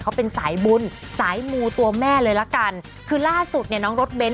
เขาเป็นสายบุญสายมูตัวแม่เลยละกันคือล่าสุดเนี่ยน้องรถเบนท